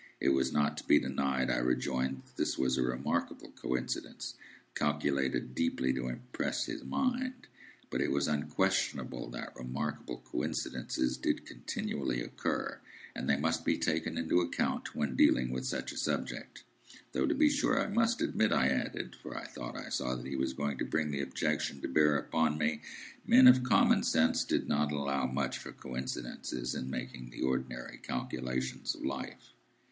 It was not to be denied, I rejoined, that this was a remarkable coincidence, calculated deeply to impress his mind. But it was unquestionable that remarkable coincidences did continually occur, and they must be taken into account in dealing with such a subject. Though to be sure I must admit, I added (for I thought I saw that he was going to bring the objection to bear upon me), men of common sense did not allow much for coincidences in making the ordinary calculations of life.